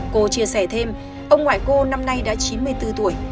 cô chia sẻ thêm ông ngoại cô năm nay đã chín mươi bốn tuổi